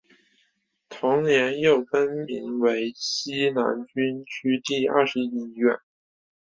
同年又更名为西南军区第二十一医院。